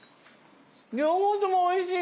両方ともおいしいけど。